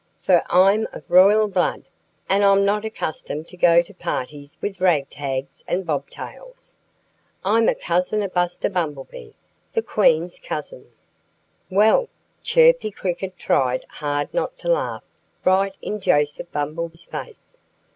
For I'm of royal blood; and I'm not accustomed to go to parties with ragtags and bobtails. I'm a cousin of Buster Bumblebee, the Queen's son." Well, Chirpy Cricket tried hard not to laugh right in Joseph Bumble's face.